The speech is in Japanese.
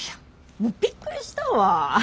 もうびっくりしたわ。